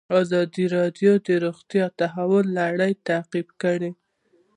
ازادي راډیو د روغتیا د تحول لړۍ تعقیب کړې.